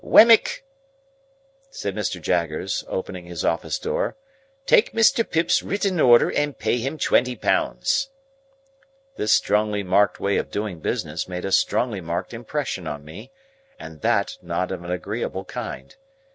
"Wemmick!" said Mr. Jaggers, opening his office door. "Take Mr. Pip's written order, and pay him twenty pounds." This strongly marked way of doing business made a strongly marked impression on me, and that not of an agreeable kind.